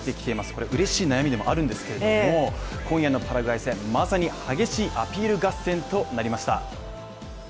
これ嬉しい悩みでもあるんですけれども、今夜のパラグアイ戦まさに激しいアピール合戦となりました。